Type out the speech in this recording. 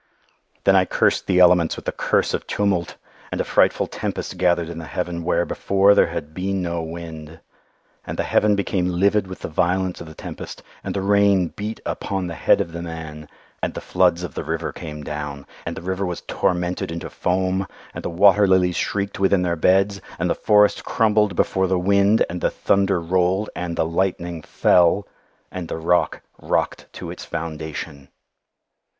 "Then I cursed the elements with the curse of tumult; and a frightful tempest gathered in the heaven where, before, there had been no wind. And the heaven became livid with the violence of the tempest—and the rain beat upon the head of the man—and the floods of the river came down—and the river was tormented into foam—and the water lilies shrieked within their beds—and the forest crumbled before the wind—and the thunder rolled—and the lightning fell—and the rock rocked to its foundation.